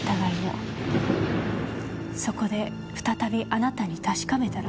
そこで再びあなたに確かめたら。